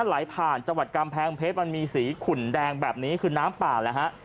ไหลผ่านจังหวัดกำแพงเพชรมันมีสีขุ่นแดงแบบนี้คือน้ำป่าแล้วฮะ